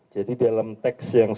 jadi dalam teks yang sebut